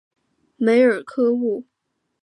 梅尔科厄。